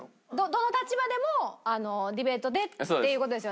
どの立場でもディベートでっていう事ですよね？